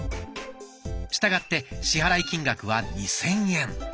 したがって支払金額は２，０００円。